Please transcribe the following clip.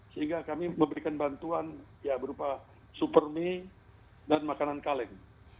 sehingga kami memberikan bantuan ya berupa super mie dan makanan kaleng